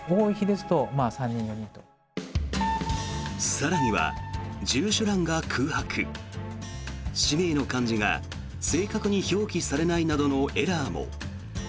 更には住所欄が空白氏名の漢字が正確に表記されないなどのエラーも。